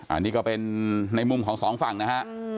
อันนี้ก็เป็นในมุมของสองฝั่งนะฮะ